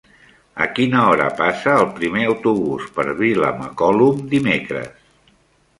A quina hora passa el primer autobús per Vilamacolum dimecres?